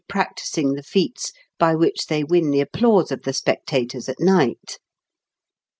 practising the feats by which they win the applause of the spectators at night.